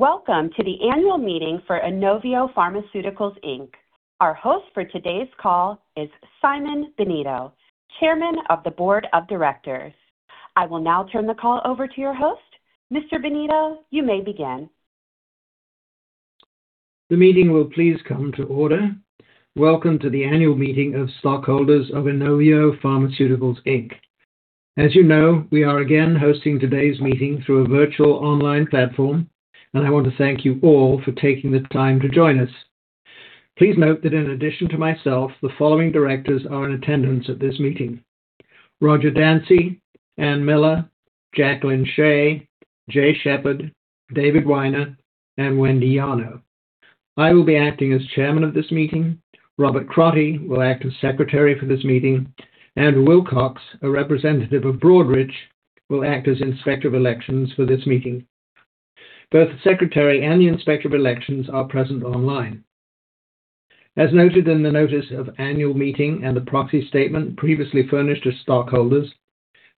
Welcome to the annual meeting for INOVIO Pharmaceuticals, Inc. Our host for today's call is Simon Benito, Chairman of the Board of Directors. I will now turn the call over to your host. Mr. Benito, you may begin. The meeting will please come to order. Welcome to the annual meeting of stockholders of INOVIO Pharmaceuticals, Inc. As you know, we are again hosting today's meeting through a virtual online platform, and I want to thank you all for taking the time to join us. Please note that in addition to myself, the following directors are in attendance at this meeting: Roger D. Dansey, Ann C. Miller, Jacqueline Shea, Jay Shepard, David B. Weiner, and Wendy Yarno. I will be acting as chairman of this meeting. Rob Crotty will act as secretary for this meeting, and Will Cox, a representative of Broadridge, will act as inspector of elections for this meeting. Both the secretary and the inspector of elections are present online. As noted in the notice of annual meeting and the proxy statement previously furnished to stockholders,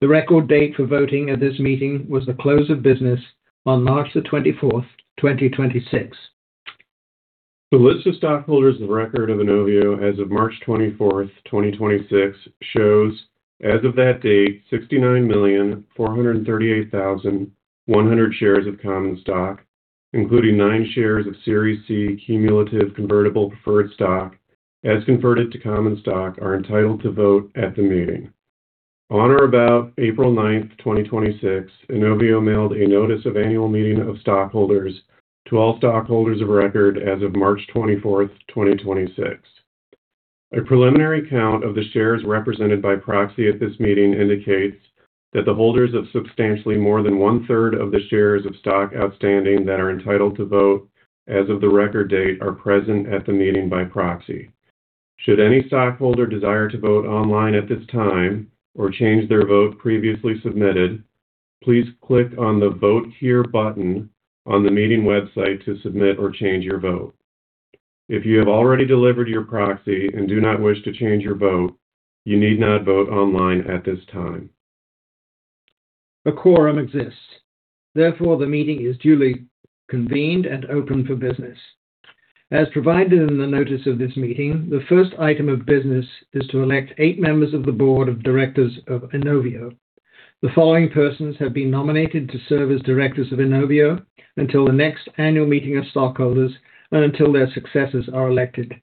the record date for voting at this meeting was the close of business on March the 24th, 2026. The list of stockholders of record of INOVIO as of March 24th, 2026, shows, as of that date, 69,438,100 shares of common stock, including nine shares of Series C cumulative convertible preferred stock as converted to common stock, are entitled to vote at the meeting. On or about April 9th, 2026, INOVIO mailed a notice of annual meeting of stockholders to all stockholders of record as of March 24th, 2026. A preliminary count of the shares represented by proxy at this meeting indicates that the holders of substantially more than one-third of the shares of stock outstanding that are entitled to vote as of the record date are present at the meeting by proxy. Should any stockholder desire to vote online at this time or change their vote previously submitted, please click on the Vote Here button on the meeting website to submit or change your vote. If you have already delivered your proxy and do not wish to change your vote, you need not vote online at this time. A quorum exists. Therefore, the meeting is duly convened and open for business. As provided in the notice of this meeting, the first item of business is to elect eight members of the board of directors of INOVIO. The following persons have been nominated to serve as directors of INOVIO until the next annual meeting of stockholders and until their successors are elected: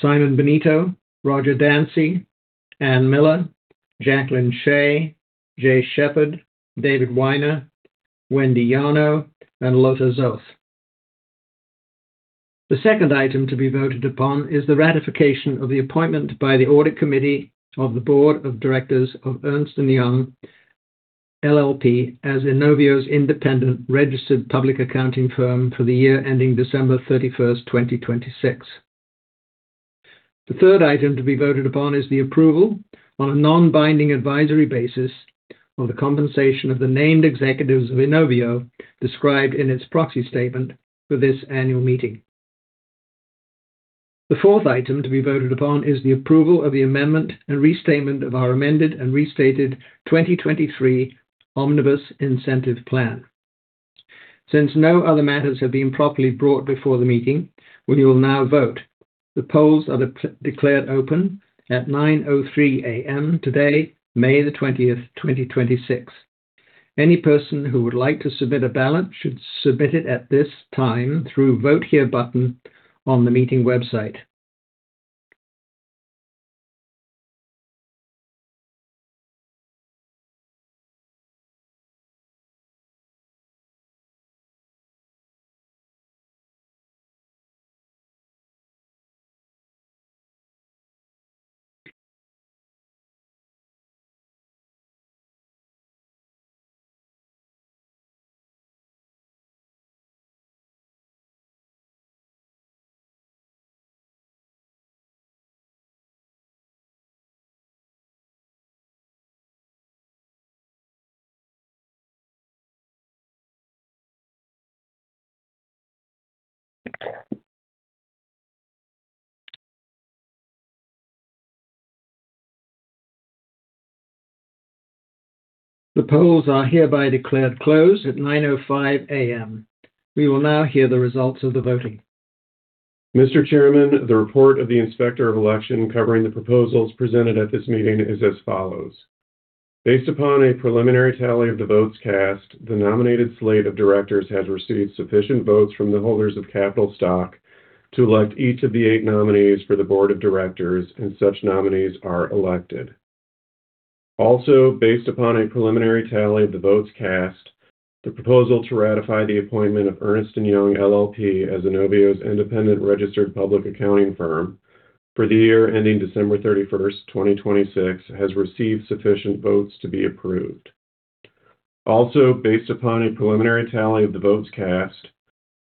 Simon Benito, Roger D. Dansey, Ann C. Miller, Jacqueline Shea, Jay Shepard, David B. Weiner, Wendy Yarno, and Lota Zoth. The second item to be voted upon is the ratification of the appointment by the audit committee of the board of directors of Ernst & Young LLP as INOVIO's independent registered public accounting firm for the year ending December 31st, 2026. The third item to be voted upon is the approval, on a non-binding advisory basis, of the compensation of the named executives of INOVIO described in its proxy statement for this annual meeting. The fourth item to be voted upon is the approval of the amendment and restatement of our amended and restated 2023 Omnibus Incentive Plan. Since no other matters have been properly brought before the meeting, we will now vote. The polls are declared open at 9:03 A.M. today, May the 20th, 2026. Any person who would like to submit a ballot should submit it at this time through Vote Here button on the meeting website. The polls are hereby declared closed at 9:05 A.M. We will now hear the results of the voting. Mr. Chairman, the report of the inspector of election covering the proposals presented at this meeting is as follows. Based upon a preliminary tally of the votes cast, the nominated slate of directors has received sufficient votes from the holders of capital stock to elect each of the eight nominees for the board of directors, and such nominees are elected. Also, based upon a preliminary tally of the votes cast, the proposal to ratify the appointment of Ernst & Young LLP as INOVIO's independent registered public accounting firm for the year ending December 31st, 2026, has received sufficient votes to be approved. Also, based upon a preliminary tally of the votes cast,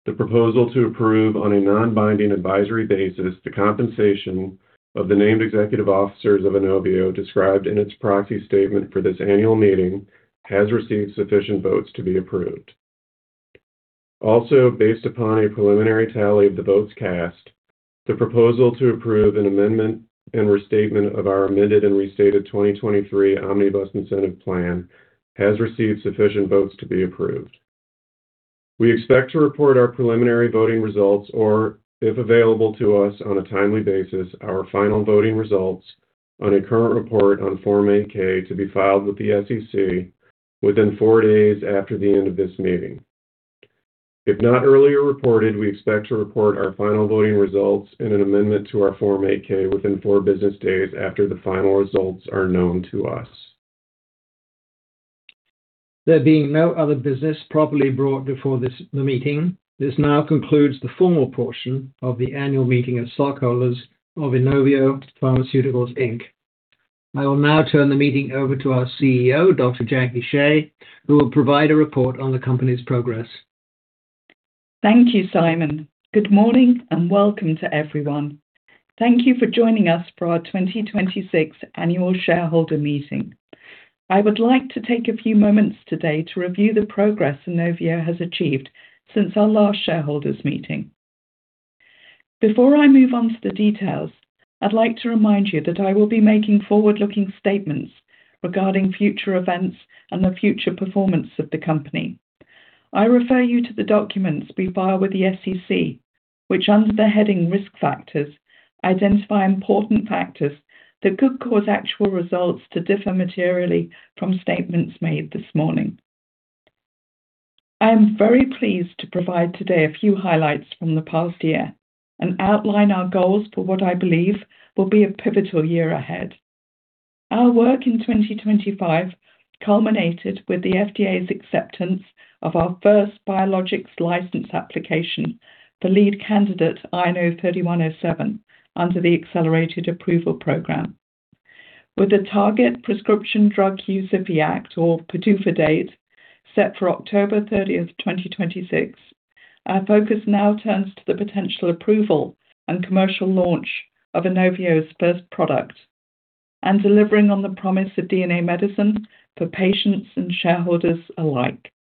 the proposal to approve on a non-binding advisory basis the compensation of the named executive officers of INOVIO described in its proxy statement for this annual meeting has received sufficient votes to be approved. Based upon a preliminary tally of the votes cast. The proposal to approve an amendment and restatement of our amended and restated 2023 Omnibus Incentive Plan has received sufficient votes to be approved. We expect to report our preliminary voting results, or, if available to us on a timely basis, our final voting results on a current report on Form 8-K to be filed with the SEC within four days after the end of this meeting. If not earlier reported, we expect to report our final voting results in an amendment to our Form 8-K within four business days after the final results are known to us. There being no other business properly brought before the meeting, this now concludes the formal portion of the annual meeting of stockholders of INOVIO Pharmaceuticals, Inc. I will now turn the meeting over to our CEO, Dr. Jackie Shea, who will provide a report on the company's progress. Thank you, Simon. Good morning and welcome to everyone. Thank you for joining us for our 2026 annual shareholder meeting. I would like to take a few moments today to review the progress INOVIO has achieved since our last shareholders meeting. Before I move on to the details, I'd like to remind you that I will be making forward-looking statements regarding future events and the future performance of the company. I refer you to the documents we file with the SEC, which under the heading Risk Factors, identify important factors that could cause actual results to differ materially from statements made this morning. I am very pleased to provide today a few highlights from the past year and outline our goals for what I believe will be a pivotal year ahead. Our work in 2025 culminated with the FDA's acceptance of our first Biologics License Application, the lead candidate, INO-3107, under the Accelerated Approval Program. With the target Prescription Drug User Fee Act, or PDUFA date, set for October 30th, 2026, our focus now turns to the potential approval and commercial launch of INOVIO's first product and delivering on the promise of DNA medicine for patients and shareholders alike.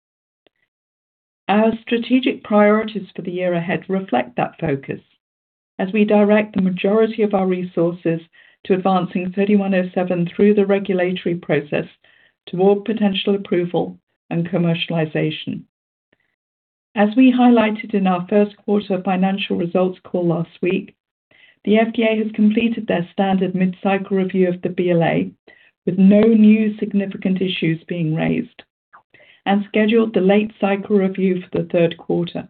Our strategic priorities for the year ahead reflect that focus as we direct the majority of our resources to advancing 3107 through the regulatory process toward potential approval and commercialization. As we highlighted in our first quarter financial results call last week, the FDA has completed their standard mid-cycle review of the BLA with no new significant issues being raised and scheduled the late-cycle review for the third quarter.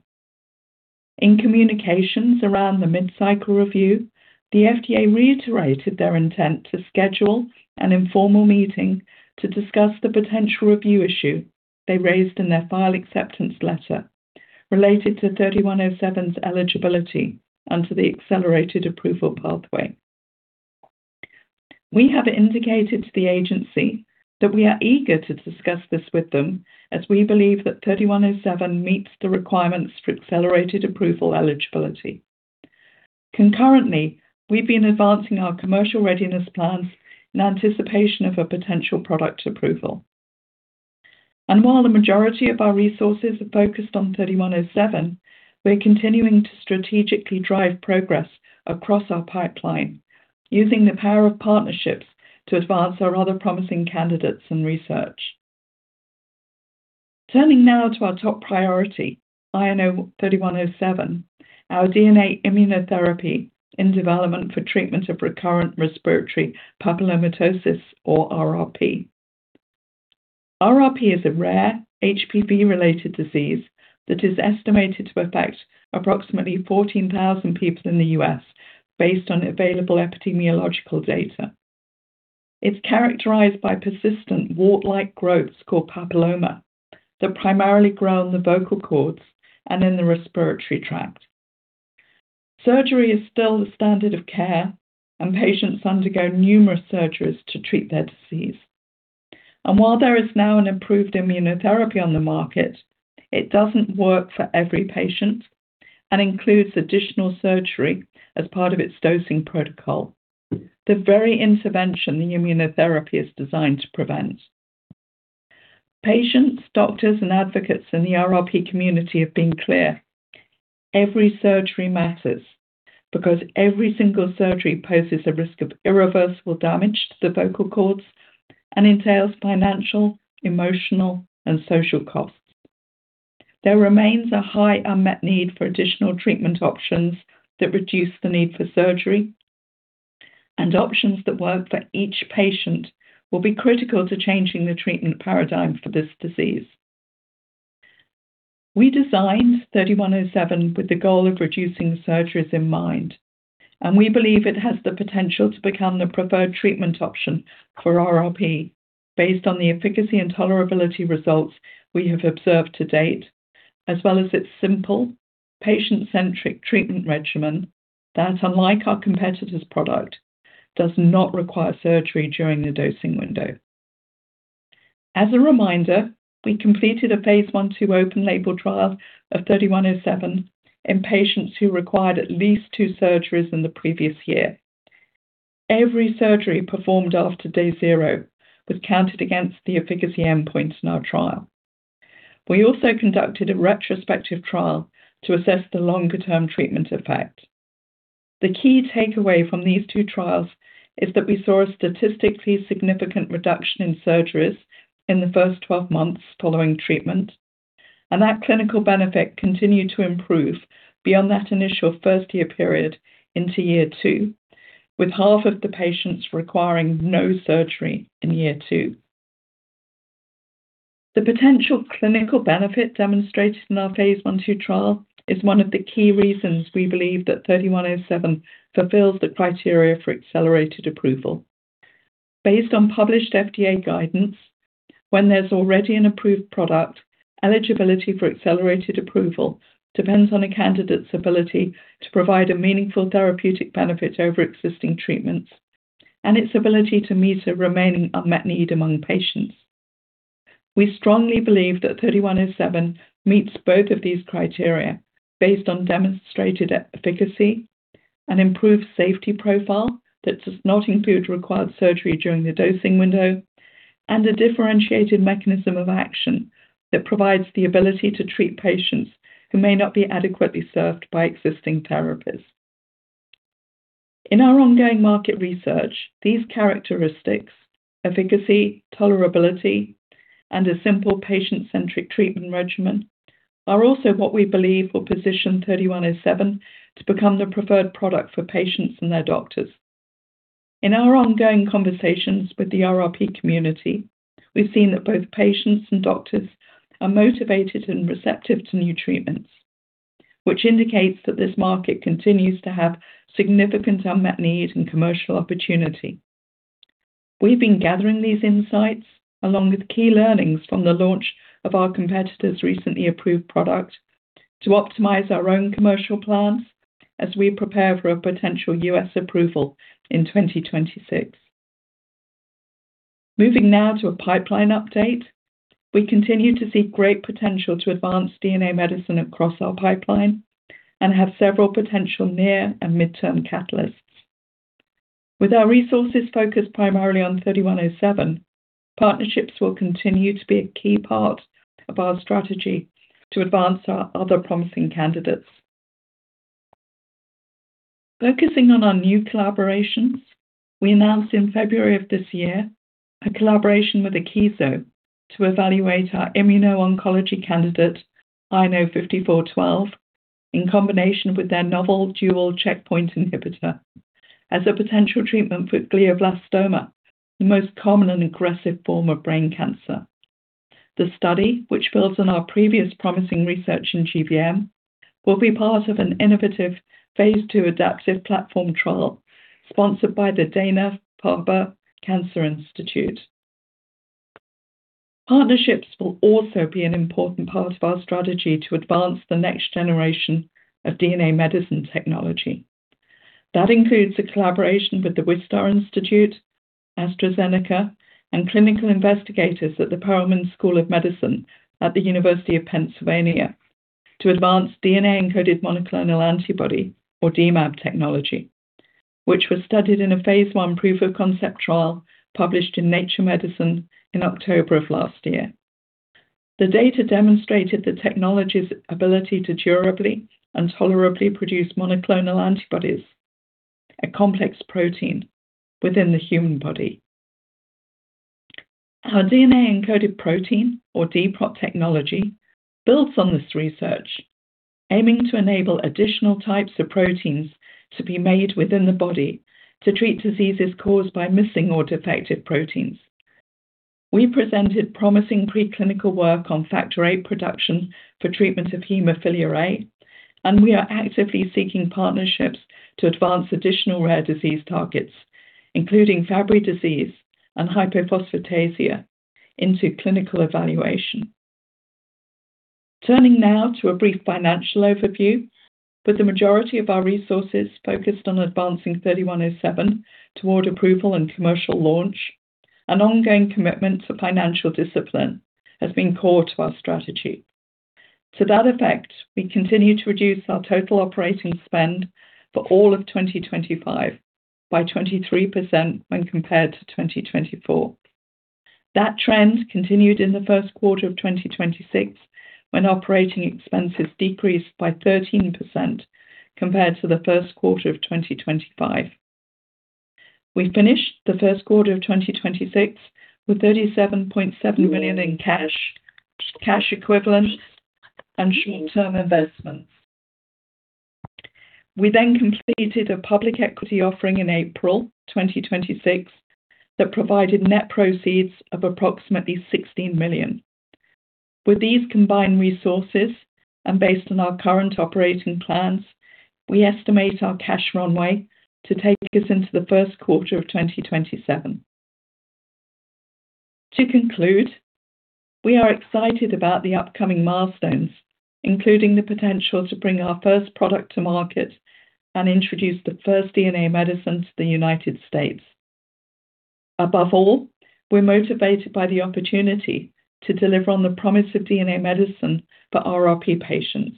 In communications around the mid-cycle review, the FDA reiterated their intent to schedule an informal meeting to discuss the potential review issue they raised in their file acceptance letter related to 3107's eligibility under the Accelerated Approval pathway. We have indicated to the agency that we are eager to discuss this with them as we believe that 3107 meets the requirements for Accelerated Approval eligibility. Concurrently, we've been advancing our commercial readiness plans in anticipation of a potential product approval. While the majority of our resources are focused on 3107, we're continuing to strategically drive progress across our pipeline using the power of partnerships to advance our other promising candidates and research. Turning now to our top priority, INO-3107, our DNA immunotherapy in development for treatment of recurrent respiratory papillomatosis, or RRP. RRP is a rare HPV-related disease that is estimated to affect approximately 14,000 people in the U.S. based on available epidemiological data. It's characterized by persistent wart-like growths called papilloma that primarily grow on the vocal cords and in the respiratory tract. Surgery is still the standard of care, and patients undergo numerous surgeries to treat their disease. While there is now an improved immunotherapy on the market, it doesn't work for every patient and includes additional surgery as part of its dosing protocol. The very intervention the immunotherapy is designed to prevent. Patients, doctors, and advocates in the RRP community have been clear. Every surgery matters because every single surgery poses a risk of irreversible damage to the vocal cords and entails financial, emotional, and social costs. There remains a high unmet need for additional treatment options that reduce the need for surgery, and options that work for each patient will be critical to changing the treatment paradigm for this disease. We designed 3107 with the goal of reducing surgeries in mind, and we believe it has the potential to become the preferred treatment option for RRP based on the efficacy and tolerability results we have observed to date, as well as its simple, patient-centric treatment regimen that, unlike our competitor's product, does not require surgery during the dosing window. As a reminder, we completed a phase I/II open label trial of 3107 in patients who required at least two surgeries in the previous year. Every surgery performed after day 0 was counted against the efficacy endpoint in our trial. We also conducted a retrospective trial to assess the longer-term treatment effect. The key takeaway from these two trials is that we saw a statistically significant reduction in surgeries in the first 12 months following treatment, and that clinical benefit continued to improve beyond that initial first-year period into year two, with half of the patients requiring no surgery in year two. The potential clinical benefit demonstrated in our phase I/II trial is one of the key reasons we believe that INO-3107 fulfills the criteria for Accelerated Approval Program. Based on published FDA guidance, when there's already an approved product, eligibility for Accelerated Approval Program depends on a candidate's ability to provide a meaningful therapeutic benefit over existing treatments and its ability to meet a remaining unmet need among patients. We strongly believe that 3107 meets both of these criteria based on demonstrated efficacy and improved safety profile that does not include required surgery during the dosing window, and a differentiated mechanism of action that provides the ability to treat patients who may not be adequately served by existing therapies. In our ongoing market research, these characteristics, efficacy, tolerability, and a simple patient-centric treatment regimen, are also what we believe will position 3107 to become the preferred product for patients and their doctors. In our ongoing conversations with the RRP community, we've seen that both patients and doctors are motivated and receptive to new treatments, which indicates that this market continues to have significant unmet need and commercial opportunity. We've been gathering these insights, along with key learnings from the launch of our competitor's recently approved product, to optimize our own commercial plans as we prepare for a potential U.S. approval in 2026. Moving now to a pipeline update. We continue to see great potential to advance DNA medicine across our pipeline and have several potential near and midterm catalysts. With our resources focused primarily on 3107, partnerships will continue to be a key part of our strategy to advance our other promising candidates. Focusing on our new collaborations, we announced in February of this year a collaboration with Akeso to evaluate our immuno-oncology candidate, INO-5401, in combination with their novel dual checkpoint inhibitor as a potential treatment for glioblastoma, the most common and aggressive form of brain cancer. The study, which builds on our previous promising research in GBM, will be part of an innovative phase II adaptive platform trial sponsored by the Dana-Farber Cancer Institute. Partnerships will also be an important part of our strategy to advance the next generation of DNA medicine technology. That includes a collaboration with The Wistar Institute, AstraZeneca, and clinical investigators at the Perelman School of Medicine at the University of Pennsylvania to advance DNA-encoded Monoclonal Antibody or dMAb technology, which was studied in a phase I proof of concept trial published in Nature Medicine in October of last year. The data demonstrated the technology's ability to durably and tolerably produce monoclonal antibodies, a complex protein within the human body. Our DNA-encoded protein or dPROT technology builds on this research, aiming to enable additional types of proteins to be made within the body to treat diseases caused by missing or defective proteins. We presented promising preclinical work on factor VIII production for treatment of haemophilia A. We are actively seeking partnerships to advance additional rare disease targets, including Fabry disease and hypophosphatasia into clinical evaluation. Turning now to a brief financial overview. With the majority of our resources focused on advancing INO-3107 toward approval and commercial launch, an ongoing commitment to financial discipline has been core to our strategy. To that effect, we continue to reduce our total operating spend for all of 2025 by 23% when compared to 2024. That trend continued in the first quarter of 2026 when operating expenses decreased by 13% compared to the first quarter of 2025. We finished the first quarter of 2026 with $37.7 million in cash equivalents, and short-term investments. We completed a public equity offering in April 2026 that provided net proceeds of approximately $16 million. With these combined resources and based on our current operating plans, we estimate our cash runway to take us into the first quarter of 2027. To conclude, we are excited about the upcoming milestones, including the potential to bring our first product to market and introduce the first DNA medicine to the United States. Above all, we're motivated by the opportunity to deliver on the promise of DNA medicine for RRP patients.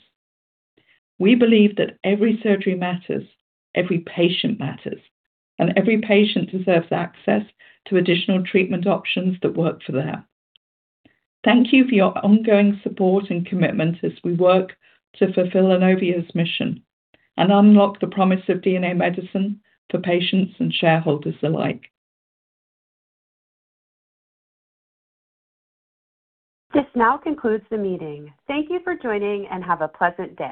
We believe that every surgery matters, every patient matters, and every patient deserves access to additional treatment options that work for them. Thank you for your ongoing support and commitment as we work to fulfill INOVIO's mission and unlock the promise of DNA medicine for patients and shareholders alike. This now concludes the meeting. Thank you for joining, and have a pleasant day.